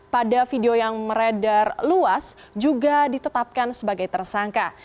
pada video yang beredar luas juga ditetapkan sebagai tersangka